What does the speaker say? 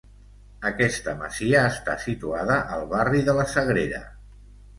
Aquesta masia està situada al barri de la Sagrera.